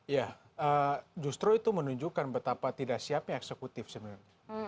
ya justru itu menunjukkan betapa tidak siapnya eksekutif sebenarnya